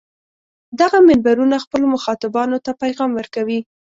دغه منبرونه خپلو مخاطبانو ته پیغام ورکوي.